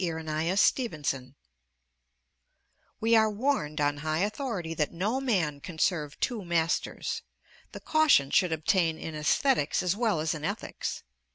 IRENÆUS STEVENSON We are warned on high authority that no man can serve two masters. The caution should obtain in æsthetics as well as in ethics.